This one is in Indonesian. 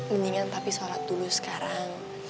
mendingan tapi sholat dulu sekarang